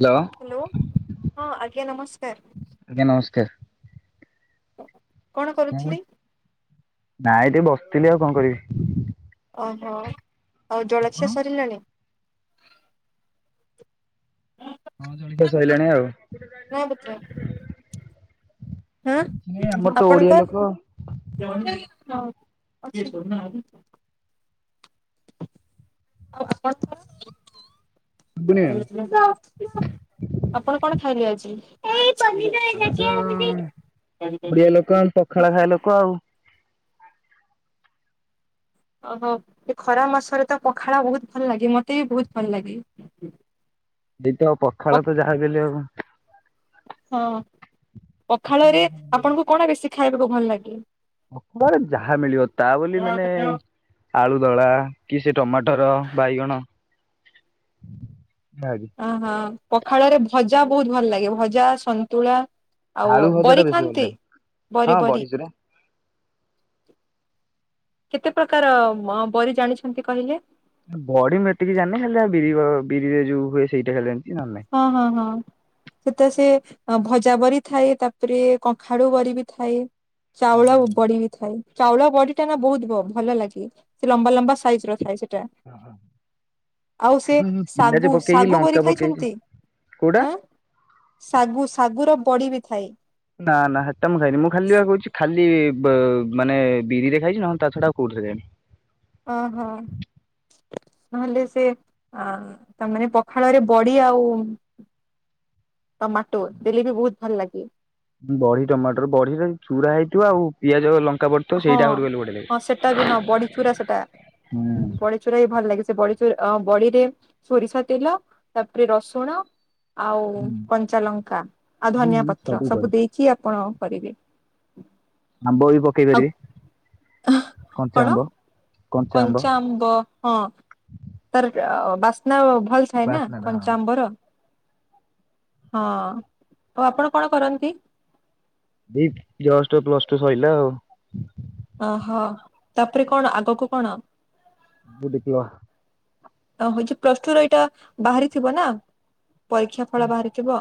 Hello hello ହଁ ଆଜ୍ଞା ନମସ୍କାର। ଆଜ୍ଞା ନମସ୍କାର। କଣ କରୁଥିଲି? ନାଇଁ ଟିକେ ବସିଥିଲି ଆଉ କଣ କରିବି? ଓହୋ ଆଉ ଆପଣ ଜଳଖିଆ ସରିଲାଣି? ହଁ ଜଳଖିଆ ସଇଲାଣି ନା ପୁତ୍ରା? ଆଉ। ହଁ ନାଇଁ ଆମର ତ ଓଡିଆ ଆପଣଙ୍କର? ଲୋକ [inaudible] ଆଉ ଶୁଭୁନି ମ୍ୟାମ୍ ଆପଣଙ୍କର? ଆପଣ କଣ ଖାଇଲେ ଆଜି? ଆମେ ତ ଓଡିଆ ଲୋକ ପଖାଳ ଖାଇବା ଲୋକ ଆଉ। ଓହୋ ଖରା ମାସରେ ତ ପଖାଳ ବହୁତ ଭଲ ଲାଗେ ମତେ ବି ବହୁତ ଭଲ ଲାଗେ। ସେଇତ ପ ପଖାଳକୁ ଯାହାବି ହେଲେ ଆଉ। ହଁ ପଖାଳରେ ଆପଣଙ୍କୁ କଣ ବେଶି ଖାଇବାକୁ ଭଲ ଲାଗେ? ମୋର ଯାହା ମିଳିବ ତା ବୋଲି ମାନେ ଆଳୁଦଳା କି ସେ ଟମାଟର, ବାଇଗଣ ଯାହାବି ଓହୋ ପଖାଳରେ ଭଜା ବହୁତ ଭଲ ଲାଗେ ଭଜା, ସନ୍ତୁଳା ଆଉ ଆଳୁ ଭଜା ଟା ବରି ବେଶୀ ଭଲ ଖାଆନ୍ତି ଲାଗେ। ହଁ ବରି ବରି। ବଡି ଚୁରା କେତେ ପ୍ରକାର ବରି ଜାଣିଛନ୍ତି କହିଲେ। ବଡି ମୁଁ ଏତିକି ଜାଣି ହେଲେ ବିରି ବିରିରେ ଯୋଉ ହୁଏ ସେଇଟା ଖାଲି ଜାଣିଛି। ନହେଲେ ନାଇଁ। ହଁ ହଁ ହଁ ସେଟ ସେ ଅ ଭଜା ବରି ଥାଏ ତାପରେ କଖାଡୁ ବରି ବିି ଥାଏ ଚାଉଳ ହୁଁ ବଢି ବିି ଥାଏ। ଚାଉଳ ବଡି ଟା ନା ବହୁତ ଭଲ ଲାଗେ ସେ ଲମ୍ବା ଲମ୍ବା ସାଇଜ ର ଥାଏ ସେ। ଆଉ ସେ ହୁଁ। ପିଆଜ ଶାଗୁ ପକେଇକି ଶାଗୁ ଲଙ୍କା ବରି ଖାଇଛନ୍ତି? ପକେଇକି ନ୍ତି କୋଉଟା? ଆଁ ଶାଗୁ ଶାଗ ର ବଡି ବି ଥାଏ। ନା ନା ସେଟା ମୁଁ ଖାଇନି ମୁଁ ଖାଲି ବା କହୁଛି ଖାଲି ମାନେ ବିରି ରେ ଖାଇଛି ନହେଲେ ତା ଛଡା ଆଉ କଉଥିରେ ଓ ହୋ। ନହେଲେ ସେ ଅ ତାମାନେ ପଖାଳରେ ବଡି ଆଉ ଟମାଟୋ ଦେଲେବି ବହୁତ ଭଲ ଲାଗେ। ବଢି ଟମାଟର ବଢିରେ ଚୁରା ହେଇଥିବ ଆଉ ପିଆଜ ଲ ହଁ ହଁ ସେଟା ବି ହଁ ବଡିଚୁରା ସେଟା ବଡିଚୁରା ବି ଭଲ ଲାଗେ। ସେ ବଡି ଚୁ ବଡିରେ ସୋରିଷ ତେଲ ତାପରେ ରସୁଣ ଆଉ କଞ୍ଚାଲଙ୍କା ଆଉ ଧନିଆ ହୁଁ ପତ୍ର ପଡେ ସବୁ ଦେଇକି ଆପଣ କରିବେ। ଆମ୍ବ ବି ପକେଇ ଆଉ ପାରିବେ କଞ୍ଚା ଆମ୍ବ। କଞ୍ଚା ଆମ୍ବ କଞ୍ଚାଆମ୍ବ ହଁ। ତାର ବାସ୍ନା ଭଲ ଥାଏ ନା ବାସ୍ ହଁ। କଞ୍ଚା ଆମ୍ବର। ହଁ ଆଉ ଆପଣ କଣ କରନ୍ତି? ଏ ଜଷ୍ଟ ପ୍ଲସ ଟୁ ସରିଲା ଆଉ। ଅହୋ ତାପରେ କଣ ଆଗକୁ କଣ ସବୁ ଡିପ୍ଲ ଅ ହଉଛି ପ୍ଲସ ଟୁ ର ଏଇଟା ବାହାରିଥିବ ନା? ପରୀକ୍ଷା ଫଳ ବାହାରିଥିବ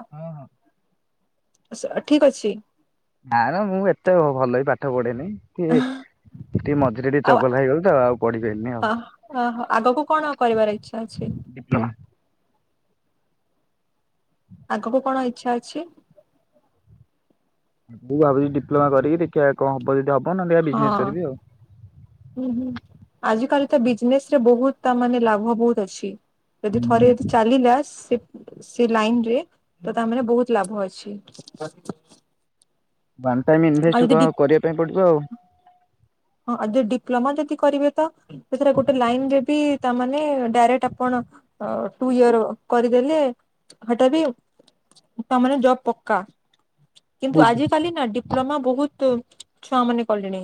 ଠିକ ଅଛି। ନା ନା ମୁଁ ଏତେ ଭଲ ବି ପାଠ ପଢେନି। ଟେ ଟିକେ ମଝିରେ ଟିକେ ଆଉ ଚଗଲା ହେଇଗଲି ତ ଆଉ ପଢି ପାଇଲିନି ଆଉ। ଆଗକୁ କଣ କରିବାର ଇଚ୍ଛା ଅଛି? ଡିପ୍ଲୋମା ଆଗକୁ କଣ ଇଚ୍ଛା ଅଛି? ମୁଁ ଭାବୁଛି ଡିପ୍ଲୋମା କରିକି ଦେଖିବା କଣ ହବ ଯଦି ହବ। ହଉ ନହେଲେ ହଁ ବିଜନେସ କରିବି ଆଉ। ଆଜି କାଲି ତ ବିଜନେସରେ ବହୁତ ତା ମାନେ ଲାଭ ବହୁତ ଅଛି। ଯଦି ଥରେ ଯଦି ହୁଁ ଚାଲିଲା ସେ ସେ ଲାଇନ ରେ ତା ମାନେ ବହୁତ ଲାଭ ଅଛି। ୱାନ୍ ଟାଇମ ଆଉ ଇନଭେଷ୍ଟ ଯଦି ଡି ତ କରିବା ପାଇଁ ପଡିବ ଆଉ। ହଁ ଆ ଯୋଉ ଡିପ୍ଲୋମା ଯଦି କରିବେ ତ ସେଥିର ଗୋଟେ ଲାଇନ ରେ ବି ତାମାନେ ଡାଇରେକ୍ଟ ଆପଣ ଟୁ ଇୟର କରିଦେଲେ ହଟା ବି ତା ମାନେ ଜବ ପକ୍କା। କିନ୍ତୁ କୋଉଠି? ଆଜ କାଲି ନା ଡିପ୍ଲୋମା ବହୁତ ଛୁଆ ମାନେ କଲେଣି।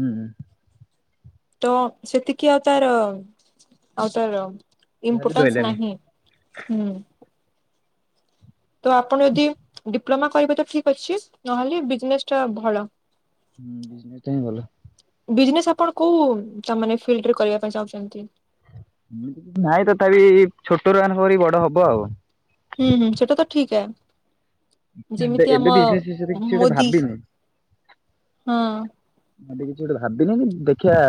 ହୁଁ। ତ ସେତିକି ଆଉ ତାର ଆଉ ତାର ଭ୍ୟାଲୁ ଇମ୍ପୋର୍ଟନ୍ସ ରହିଲାନି ନାହିଁ ହୁଁ। ତ ଆପଣ ଯଦି ଡିପ୍ଲୋମା କରିବେ ତ ଠିକ ଅଛି ନହେଲେ ବିଜନେସ ଟା ଭଲ। ହୁଁ ବିଜନେସ ଟା ହିଁ ଭଲ। ବିଜନେସ୍ ଆପଣ କୋଉ ମାନେ ଫିଲ୍ଡରେ କରିବା ପାଇଁ ଚାହୁଁଛନ୍ତି। ଏମିତି କିଛି ନାଇଁ ତଥାପି ଛୋଟରୁ ଆରମ୍ଭ କରି ବଡ ହବ ଆଉ। ହୁଁ ହୁଁ ସେଟ ତ ଠିକଏ। ଏବେ ଯେମିତି ଏବେ ଆମ ବିଜନେସ୍ ବିଷୟରେ କିଛି ଗୋଟେ ମୋଦି ଭାବିନି। ହଁ। [unintelligible] ଗୋଟେ କିଛି ଗୋଟେ ଭାବିନ କି। ଦେଖିବା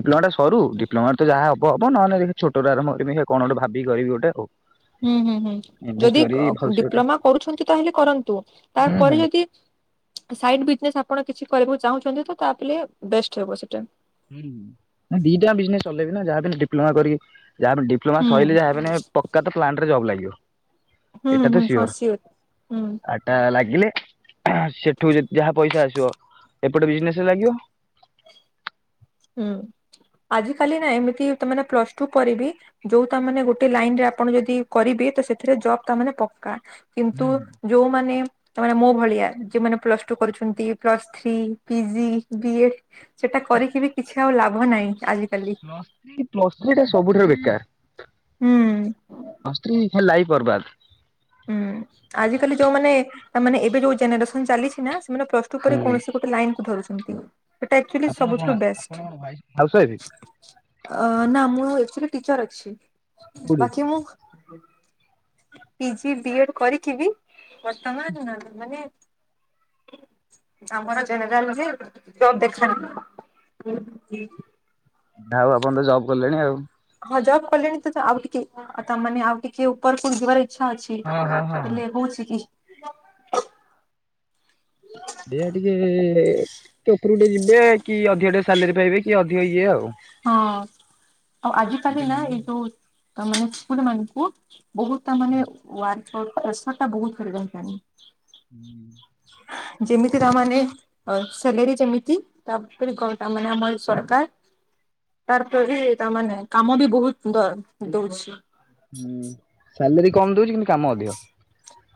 ଡିପ୍ଲୋମା ଟା ସରୁ ଡିପ୍ଲୋମା ତ ଯାହା ହ ହବ ହବ ନହେଲେ ଯାଇକି ଛୋଟରୁ ଆରମ୍ଭ କରିବି ଦେଖିବା କଣ ଗୋଟେ ଭାବିିବି କରିବି ଗୋଟେ ଆଉ। ହୁଁ ହୁଁ ହୁଁ ଇନଭେଷ୍ଟ ଯଦି କରିବି ଭଲସେ ଗୋଟେ ଡିପ୍ଲୋମା କରୁଛନ୍ତି ତାହେଲେ କରନ୍ତୁ। ହୁଁ ତାପରେ ହୁଁ। ଯଦି ସାଇଡ ବିଜନେସ୍ ଆପଣ କିଛି କରିବାକୁ ଚାହୁଁଛନ୍ତି ତ ତା ପିଲେ ବେଷ୍ଟ ହେବ ସେଟା। ହୁଁ ଦିଟା ଆଙ୍କ ବିଜନେସ ଚଲେଇବି ନା ଯାହା ହେଲେ ବି ଡିପ୍ଲୋମା କରି ଯାହା ବି ଡିପ୍ଲୋମା ହୁଁ ସରିଲେ ଯାହା ପକ୍କା ତ ପ୍ଲାଣ୍ଟ ରେ ଜବ୍ ଲାଗିବ। ହୁଁ ଏଇଟା ହୁଁ ତ ହଁ ସିଓର ହୁଁ ଆଟା ଲା ହେଲେ ସେଠୁ ଯାହା ପଇସା ଆସିବ ଏପଟେ ବିଜନେସରେ ଲାଗିବ। ହୁଁ। ଆଜି କାଲି ନା ଏମିତି ତମେନା ପ୍ଲସ ଟୁ ପରେବି ଯୋଉ ତାମାନେେ ଗୋଟେ ଲାଇନ ରେ ଆପଣ ଯଦି କରିବେ ତ ସେଥିରେ ଜବ ଟା ମାନେ ପକ୍କା। କିନ୍ତୁ ହୁଁ ହୁଁ ଯୋଉମାନେ ତାମାନେ ମୋ ଭଳିଆ। ଯଉ ମାନେ ପ୍ଲସ ଟୁ କରୁଛନ୍ତି ପ୍ଲସ ଥ୍ରୀ, ପିଜି, ବିଏଡ ସେଟା କରିକି ବି କିଛି ଆଉ ଲାଭ ନାହିଁ। ଆଜି ପ୍ଲସ ଥ୍ରୀ ପ୍ଲସ ଥ୍ରୀ ଟା ସବୁଠାରୁ ବେକାର। ହୁଁ। ହେ ଲାଇଫ ବର୍ବାଦ। ହୁଁ ଆଜିକାଲି ଯୋଉମାନେ ତା ମାନେ ଏବେ ଯୋଉ ଜେନେରେସନ ଚାଲିଛି ନା ମାନେ ପ୍ଲସ ଟୁ ପରେ କୌଣସି ଗୋଟେ ଲାଇନ କୁ ଧରୁଛନ୍ତି। ସେଟା ଆକଚୁଆଲି ଆପଣ କଣ ସବୁୁଠାରୁ ଆପଣ ବେଷ୍ଟ। କଣ ଭାଇ ହାଉସ୍ ୱାଇଫ୍ ଅ ନା ମୁଁ ମୁଁ ଆକଚୁଆଲି ଟିଚର ଅଛି। କୋଉଠି ବାକି ମୁଁ ପିଜି, ବିଏଡ୍ କରିକି ବି ବର୍ତ୍ତମାନ ମାନେ ଆମର ଜେନେରାଲ ବି। [unintelligible] [unintelligible] ଯାହା ହଉ ଆପଣ ତ ଜବ୍ କଲେଣି ଆଉ। ହ ଜବ୍ କଲିଣି ତ ଆଉ ଟିକେ ତ ମାନେ ଆଉ ଟିକେ ଉପରକୁ ଯିବାରେ ଇ ଇଚ୍ଛା ଅଛି। ହଁ ହଁ ହଁ। ହେଲେ ହଉଛି କି। ସେଇଆ ଟିକେ ଟିକେ ଉପରକୁ ଯିବେ କି ଅଧିକ ଟିକେ ସାଲେରୀ ପାଇବେ କି ଅଧିକ ଇଏ ଆଉ। ହଁ ଆଉ ଆଜି କାଲି ଏଇଟା ନା ମେନ୍ ଏଇ ହୁଁ। ଯୋଉ ମାନେ [unintelligible] ମାନଙ୍କୁ ବହୁତ ତା ମାନେ ୱାର୍କ ପ୍ରେସରଟା ବହୁତ। [unintelligible] ହୁଁ। ଯେମିତି ତା ମାନେ ସାଲେରୀ ଯେମିତି ତାପରେ [unintelligible] ଆମର ଏ ସରକାର [unintelligible] ତା ମାନେ କାମ ବି ବହୁତ ଦଉଛି। ହୁଁ, ସାଲେରୀ କମ ଦଉଚି କିନ୍ତୁ କାମ ଅଧିକ।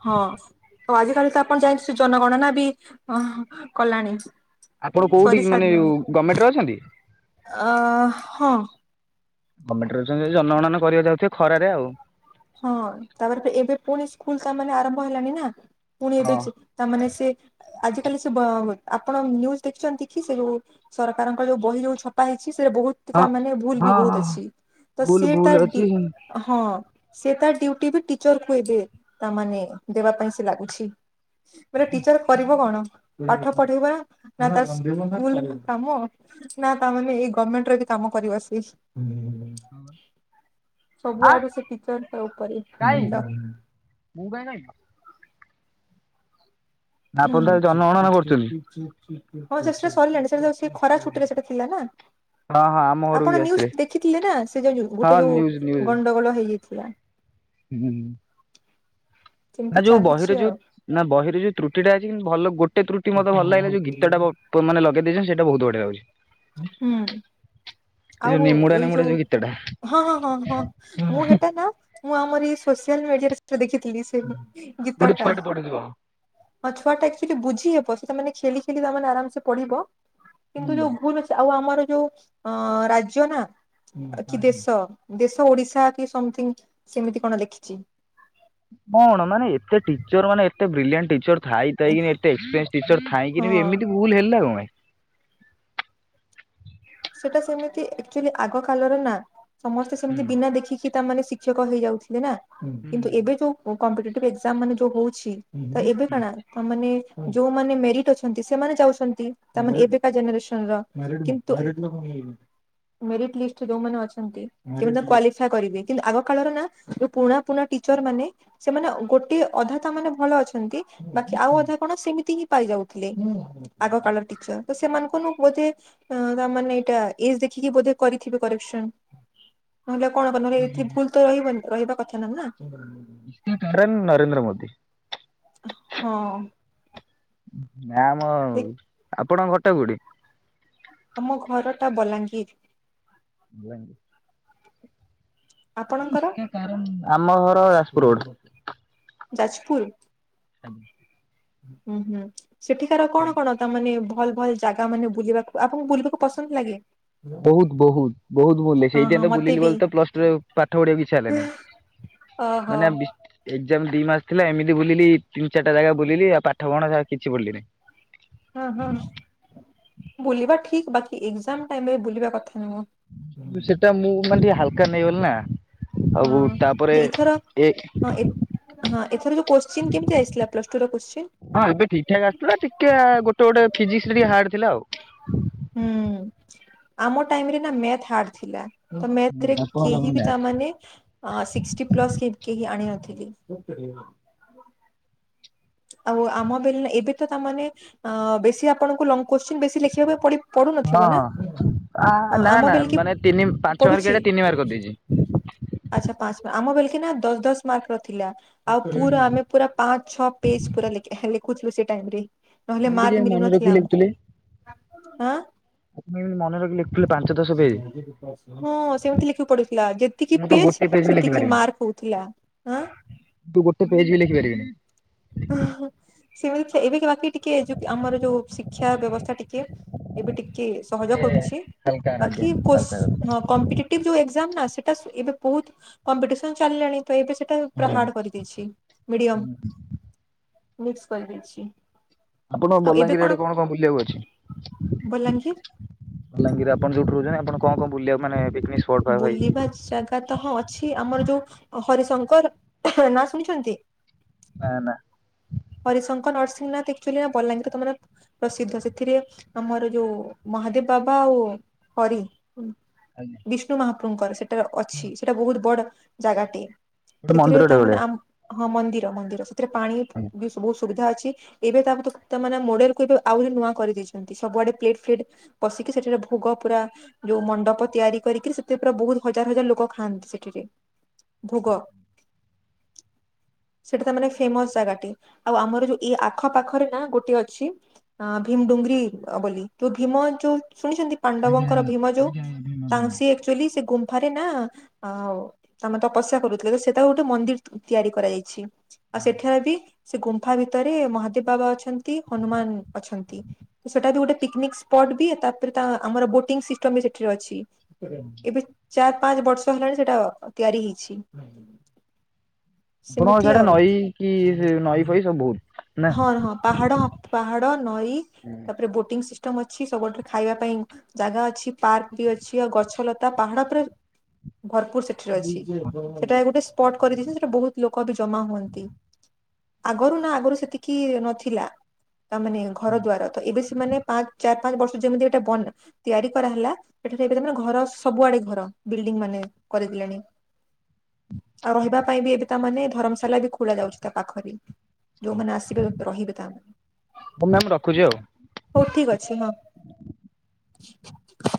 ହଁ ତ ଆଜିିକାଲି ତ ଆପଣ ଯାଇଚନ୍ତି ଜନଗଣନା ବି କଲାଣି। ଆପଣ କୋଉଠି କରି ମାନେ ସାରିଲେଣି। ଗମେଣ୍ଟରେ ଅଛନ୍ତି? ଅ ହଁ। ଗମେଣ୍ଟ ରେ ଅଛନ୍ତି ଯଦି ଜନଗଣନା କରିବାକୁ ଯାଉଥିବେ ଖରାରେ ଆଉ। ହଁ ତାପରେ ଏବେ ପୁଣି ସ୍କୁଲ ତା ମାନେ ଆରମ୍ଭ ହେଲାଣି ନା। ପୁଣି ଏବେ ହଁ ତା ମାନେ ସେ ଆଜିିକାଲି ସେ ବ ଆପଣ ନ୍ୟୁଜ ଦେଖିଛନ୍ତି କି ସେ ଯୋଉ ସରକାରଙ୍କ ଯୋଉ ବହି ଯୋଉ ଛପା ହେଇ ଛି ସେଟା ବହୁତ ହଁ ତା ମାନେ ଭୁଲ ବି ହଁ ହଁ ବହୁତ ଅଛି। ତ ଭୁଲ ସେ ଭୁଲ ତାର ଡ଼ି ଅଛି। ହଁ। ସେ ତା ଡ୍ୟୁଟି ବି ଟିଚରକୁୁ ଏବେ ତା ମାନେ ଦେବା ପାଇଁ ସେ ଲାଗୁଛି। ଗୋଟେ ଟିଚର କରିବ କଣ ପାଠ ପଢେଇବା ନା ତା ସ୍କୁଲ କାମ ନା ତା ମାନେ ଏଇ ଗମେଣ୍ଟର ବି କାମ କରିବ ସିଏ। ଆଁ ସବୁଆଡୁ ସେ ଟି କାଇଁ ମୁଁ କାଇଁ କହିବି। [unintelligible] ଉଁ ଆପଣ ତାହେଲେ ହୁଁ। ଜନଗଣନା କରୁଛନ୍ତି। ହଁ ସେଟା ସରିଲାଣି ସେଟା ସେ ଖରା ଛୁଟିରେ ସେଟା ଥିଲା ନା। ହଁ ହଁ ଆମ ଘରକୁ ବି ଆପଣ ଆସିଥିଲେ ନ୍ୟୁଜ ଦେଖିଥିଲେ ନା ସେ ଯଉ ହଁ ଗୋଟେ ଯୋଉ ନ୍ୟୁଜ ନ୍ୟୁଜ। ଗଣ୍ଡଗୋଳ ହେଇଯା। [unintelligible] ହୁଁ। [inaudible] ସେମିତି ନା ଯୋଉ ଚାଲିଛି ବହିରେ ଯୋଉ ଆଉ ନା ବହିରେ ଯୋଉ ତ୍ରୁଟିଟା ଅଛି କିନ୍ତ ଭଲ ଗୋଟେ। ଗଟ ତ୍ରୁଟି ମତେ ଭଲ ଲାଗିଲା ଯଉ ଗୀତଟା ମାନ ଲଗେଇ ଦେଇଛ ସେଟା ବହୁ ବଢିଆ ଲାଗୁଛି। ହୁଁ। ଏ ଯୋଉ ଆଉ ନିମୁଡା ଏଇ ନିମୁଡା ଯୋଉ ଗୀତଟା ହଁ ହଁ ହଁ ହଁ ମୁଁ ହେଟା ନା ମୁଁ ଆମର ଏଇ ସୋସିଆଲ ମିଡିଆରେ ଦେଖିଥିଲି ସେ ଗୋଟେ ଗୀତଟା ଛୁଆଟେ ପଢ଼ୁଥିବ। ହଁ ଛୁଆ ଟାଚ ବୁଝି ହବ ସେେ ଖେଳି ଖେ ଆରାମ ସେେ ପଡିବ ହୁଁ। କିନ୍ତୁ ଯୋଉ ଭୁଲ୍ ଅଛି ଆମର ଯୋଉ ରାଜ୍ଯ ନା ଆଜ୍ଞା। ଦେଶ କି ଓଡିଶା କି ସମଥିଙ୍ଗ ସେମିତି କଣ ଦେଖିଛି। କଣ ମାନେ ଏତେ ଟିଚର ମାନେ ଏତେ ବ୍ରିଲିଣ୍ଟ ଟିଚର୍ ଥାଇକି ଏେ ଏକ୍ସପିରିଏନ୍ସଟିର ହଁ ଥାଇଁକି ଏମିତି ଭୁଲ ହେଲା କଣ ପାଇଁ। [inaudible] ସେଇଟା ସେମିତି ଆଚୁଆଲି ଆଗ କାଳର ନା ସମସ୍ତେ ହୁଁ ସେମିତି ବିନା ଦେଖିକି ତା ମାନେ ଶିକ୍ଷକ ହେଇଯାଉଥିଲେ ନା ହୁଁ କିନ୍ତୁ ଏବେ ହୁଁ ଯୋଉ କମ୍ପି ଏଜାମ ମାନେ ଯୋଉ ହଉଛି। ତ ଏବେ କଣ ତା ମାନେ। ଯୋଉମାନେ ମେରିଟ ଅଛନ୍ତି ସେମାନେ ଯାଉଛନ୍ତି ତାମାନେ ଏବେକା ଜେନେରେସନ୍ ର। ତ ହୁଁ ହୁଁ। ଖ [unintelligible] ମେଟ ଲିଷ୍ଟରେ ଯୋଉମାନେ ଅଛନ୍ତି ସେମାନେ କ୍ଵାଲିଫା କରିବେ କିନ୍ତୁ ଆଗ କାଳର ନା ଯୋଉ ପୁଣା ପୁରୁଣା ଟି ଟିଚର୍ ମାନେ ସେମାନେ ଗୋଟେ ଅଧା ତାମାନୋନେ ଭଲ ଅଛନ୍ତି ବାକି ଆଉ ଅଧା କଣ ସେମିତି ହିଁ ପାଇ ଯାଉଥିଲେ ଆଗ କାଳଟିଚର ତ ସେମାନଙ୍କୁନୁ ବୋଧେ ହଁ ତା ମାନେ ଏଇଟା ଇଜ୍ ଦେଖିକି ବୋଧେ କରିଥିବେ କରେକ୍ସନ୍। ନହେଲେ କଣ କ ଏଠି ଭୁଲ ତ ରହିବ ରହିବା କଥା ନା ନା। କାରଣ ନରେନ୍ଦ୍ର ମୋଦି। ହଁ। ନାଁ ଆମ ଦେ ଆପଣଙ୍କ ଘଟେ କୋଉଠି। ଆମ ଘର ଟା ବଲାଙ୍ଗୀର୍। ବଲାଙ୍ଗିର୍। ଆପଣଙ୍କର ଆମ ଘର ଯାଜପୁର୍ ରୋଡ଼୍। ଯାଜପୁର୍। ହୁଁ ହୁଁ ସେଠିକାର କଣ କଣ ତାମାନେ ଭଲ୍ ଭଲ୍ ଜାଗା ମାନେ ବୁଲିବାକୁ ଆପଣଙ୍କୁ ବୁଲିବାକୁ ପସନ୍ଦ୍ ଲାଗେ। ବହୁତ୍ ବହୁତ୍ ବହୁତ୍ ବୁ ହଁ ହଁ ସେଇଥି ମତେ ବୁଲିଲି ବ ବି ତ ପ୍ଲସ୍। ପାଠ ପଢିବା କିଛି ହେଲେ ନାହିଁ ଓହୋ ମାନେ। ଯେ ଦି ମାସ ଥିଲା ଏମିତି ବୁିଲି ତିନି ଚାରିା ଜାଗା ବୁଲିଲିଉଠ ପଠ କଣ ଆଉ କିଛି ବୁଲିନି ହଁ ହୁଁ ବୁଲିବା ଠିକ ବାକି ଏକ୍ଜାମ୍ ଟାଇମ ରେ ବୁଲିବା କଥା ନୁହଁ। କିୁ ସେଟା ମୁଁ ମାନେ ଟିକେ ହାଲକା ନେଇଗଲି ନା? ଆଉ ହଁ ତାପରେ ଯେ ଏଥର ଏ ହଁ ଏ ହଁ ଏଥର ଯୋଉ କୋଶ୍ଚିନ୍ କେମିତି ଆସିଥିଲା ପ୍ଲସ ଟୁ ର କୋଶ୍ଚିନ୍? ହଁ ଏବେ ଠିକ୍ ଠାକ୍ ଆସିୁଥିଲା ଟିକେ ଗୋଟେ ଗୋଟେ ଫିଜିକ୍ସ୍ ରେ ଟିକେ ହାର୍ଡ ଥିଲା ଆଉ। ହୁଁ ଆମ ଟାଇମ ରେ ନା ମଥ ହାର୍ଡ ଥିଲା। ତ ମେରେ ହଁ ହଁ କେହି ବି ତା ମାନେ। ସିକ୍ସିଟି ପ୍ଲସ୍ କେହି ଆଣି ନଥିଲି। ଆଉ ଆମ ବେିଲ ଏବେ ତ ତାମାନେେ ଅ ବେଶୀ ଆପଣଙ୍କୁ ଲଙ୍ଗ କୋଶ୍ଚିନ୍ ବେଶୀ ଲେଖିବାକୁ ପଡ଼ିବ। ପଢୁ ନଥିବ ନା ଆ ନା ଆମ ନା ବଲ୍ କି ମାନେ ତିନି ପାଞ୍ଚ ମାର୍କିଆ ପଡ଼ୁଚି। ଟା ତିନି ମାର୍କ କରିଦେଇଛି। ଆଚ୍ଛା ପାଞ୍ଚ୍ ଆମ ବେଲ୍କ ନା ଦଶ୍ ଦଶ୍ ମାର୍କ ର ଥିଲା ଆଉ ହୁଁ ପୁରା ହୁଁ ଆମେ ପୁରା ପାଞ୍ଚ ଛଅ ପେଜ୍ ପୁରା। ଦେ ନହଲେ କେମିତି କେଜାଣି ମକୁ ମନେ ନଥିଲା ରଖିକି ଆମକୁ। ଲେଖୁଥିଲେ? ହଁ ଆପଣ କେମିତି ମନେ ରଖି ଲେଖୁଥିଲେ ପାଞ୍ଚ ଦଶ ପେଜ୍? ସେମିତି ଲେଖିବାକୁ ପଡୁଥିଲା ଯେତିକି ମୁଁ ତ ପେଜ୍। ଗୋଟେ ବି ସେ କିଛି ଲେଖିପାରିବିନି। ମାର କହୁଥିଲା ଆଁ ତୁ ଗୋଟେ ପେଜ ବି ଲେଖି ପାରିବିନି। ଆହଂ! ସେମିତି ଏବେ ବାକି ଟିକେ, ଏଜୁ ଆମର ଯୋଉ ଶିକ୍ଷା ବ୍ୟବସ୍ଥା, ଟିକେ ଏବେ ଟି କି ସହଜ ଏ କରୁଛି। ହାଲକା ହାଲକା ବାକି କୋଶ୍, କଥା। ହଁ କମ୍ପିଟେଟିଭ ଯୋଉ ଏକଜାମ୍ ନା ସେ ବାସ ଏବେ ବହୁତ କମ୍ପିଟିସନ ଚାଲିଲାଣି ତ ଏବେ ସେଟା ପୁରା ହାର୍ଡ କରିଦେଇଛି ମିଡିୟମ। ମିକ୍ସ କରି ଦେଇଛି। ଆପଣଙ୍କ ବଲାଙ୍ଗୀର ଆଡେ କଣ କଣ ବୁଲିବାକୁ ଅଛି? ବଲାଙ୍ଗୀର ବଲାଙ୍ଗୀର ଆପଣ ଯୋଉଠି ରହୁଛନ୍ତି, ଆପଣ କଣ କଣ ବୁଲିବାକୁ ମାନେ ପିକନିକ୍ ସ୍ପଟ୍ ଫଟ୍ ଭାଇ ବୁଲିବା ଜାଗା ତ ହଁ ଅଛି। ଆମର ଯୋଉ ହରିଶଙ୍କର ନାଁ ଶୁଣିଛନ୍ତି? ନା ନା। ହରିଶଙ୍କର, ନରସିଂହନାଥ, ଆକଚୁଆଲି ନା ବଲାଙ୍ଗୀର ତମର ପ୍ରସିଦ୍ଧ। ସେଥିରେ ଆମର ଯୋଉ ମହାଦେବ ବାବା, ଆଉ ହରି। ବିଷ୍ଣୁ ମହାପ୍ରଭୁଙ୍କର ସେଟାର ଅଛି। ସେଟା ବହୁତ ବଡ ଜାଗାଟେ। ଗୋଟେ ସେଥିରେ ମନ୍ଦିରଟେ ତାମାନେ ଭଳିଆ। ଆମ ହଁ ମନ୍ଦିର ମନ୍ଦିର ସେଥିରେ ପାଣି ବହୁତ ସୁବିଧା ଅଛି। ଏବେ ତାମାନେ ମଡେଲକୁ ଏବେ ଆଉ ନୂଆ କରିଦେଇଛନ୍ତି। ସବୁଆଡେ ପ୍ଲେଟ ଫ୍ଲେଟ ବଶିକି, ସେଠାରେ ଭୋଗ ପୁରା ଯୋଉ ମଣ୍ଡପ ତିଆରି କରିକି, ସେଥିରେ ପୁରା ବହୁତ ହଜାର ହଜାର ଲୋକ ଖାଆନ୍ତି ସେଠି। ସେଥିରେ, ଭୋଗ ସେଟା ତା ମାନେ ଫେମସ ଜାଗାଟି। ଆଉ ଆମର ଯୋଉ ଏଇ ଆଖପାଖରେ ନା ଗୋଟେ ଅଛି। ଅ ଭୀମଡୁଙ୍ଗରି ବୋଲି। ଯୋଉ ଭୀମ ଯୋଉ ଶୁଣିଛନ୍ତି ଆଜ୍ଞା ପାଣ୍ଡବଙ୍କର ଆଜ୍ଞା ଭୀମ ଯୋଉ, ଆଜ୍ଞା ଆଜ୍ଞା ଭିନ୍ନ ଭିନ୍ନ। ତାଂସୀ ଆକଚୁଆଲି ସେ ଗୁମ୍ ଥରେ ନା ଆଉ ତମେ ତପସ୍ୟା କରୁଥିଲେ ତ ସେଟା ଗୋଟେ ମନ୍ଦିର ତିଆରି କରାଯାଇଛି। ଆଉ ସେଠାର ବି ସେ ଗୁମ୍ଫା ଭିତରେ ମହାଦେବ ବାବା ଅଛନ୍ତି। ହନୁମାନ ଅଛନ୍ତି। ସେଟା ବି ଗୋଟେ ପିକନିକ ସ୍ପଟ। ତାପରେ, ତା ଆମର ବୋଟିଂ ସିଷ୍ଟମ ବି ସେଠିରେ ଅଛି। ଏବେ ଚାର ପାଞ୍ଚ ବର୍ଷ ହେଲାଣି ସେଟା ତିଆରି ହେଇଛି। ଆପଣଙ୍କ ସେମିତି ସାଡେ ଆଉ ନଈ କି ନଈ ଫଇ ସବୁ? ନା? ହଁ ହଁ ପାହାଡ ହା ପାହାଡ ନଈ ତାପରେ ବୋଟିଂ ସି ଷ୍ଟମ ଅଛି ସବୁ ଖାଇବା ପାଇଁ ଜାଗା ଅଛି ପାର୍କ ବି ଅଛି, ଆଉ ଗଛଲତା ପାହାଡ ପରା ଭରପୁର ସେଠିରେ ଅଛି ସେଟା ଗୋଟେ ସ୍ପଟ କରିଦେଇଛି, ସେଟା ବହୁତ ଲୋକ ବି ଜମା ହୁଅନ୍ତି। ଆଗରୁ ନା ଆଗରୁ ସେତିକି ନଥିଲା। ତା ମାନେ ଘର ଦ୍ଵାର ତ ଏବେ ମାନେ ପାଞ୍ଚ ଚାରି ପାଞ୍ଚ ବର୍ଷ ଯେମିତି ଏଟା ବନ୍ଦ ତିଆରି କରାହେଲା। ଏଠାରେ ଏବେ ସେମାନେ ଘର ସବୁଆଡେ ଘର। ବିଲ୍ଡିଂ ମାନେ କରିଦେଲେଣି। ଆଉ ରହିବା ପାଇଁ ବି ଏବେ ତାମାନେ ଧର୍ମଶାଳା ବି ଖୋଲା ଯାଉଛି, ତା ପାଖରେ ଯୋଉମାନେ ଆସ ରହିବେ ତା ହଉ ମ୍ୟାମ୍ ରଖୁଛି ଆଉ। ହଉ ଠିକ ଅଛି ହଁ। ହ [inaudible]